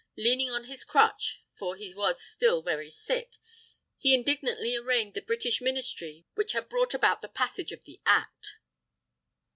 Leaning on his crutch, for he was still very sick, he indignantly arraigned the British Ministry which had brought about the passage of the Act.